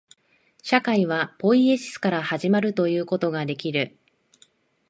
社会はポイエシスから始まるということができる。